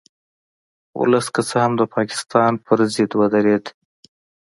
ولس که څه هم د پاکستان په ضد ودرید